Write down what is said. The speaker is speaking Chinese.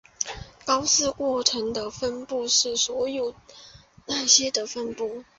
高斯过程的分布是所有那些的分布。